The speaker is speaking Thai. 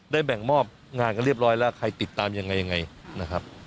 แบ่งมอบงานกันเรียบร้อยแล้วใครติดตามยังไงยังไงนะครับ